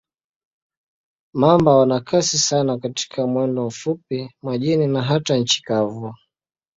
Mamba wana kasi sana katika mwendo mfupi, majini na hata nchi kavu.